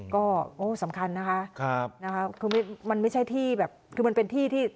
ก็โอ้สำคัญนะคะคือมันไม่ใช่ที่แบบคือมันเป็นที่ที่